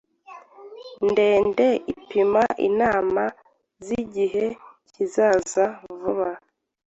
ndende ipima inama zigihe kizaza vuba